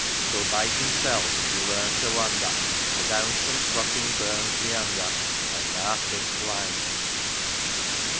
Till by himsel' he learned to wander, Adown some trotting burn's meander,, And na* think lang."